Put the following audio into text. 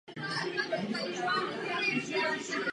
V klubu zastává funkci kapitána.